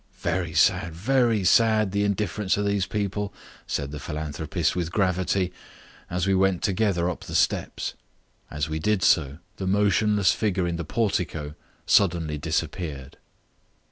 "Very sad, very sad the indifference of these people," said the philanthropist with gravity, as we went together up the steps. As we did so the motionless figure in the portico suddenly disappeared.